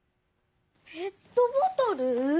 ペットボトル？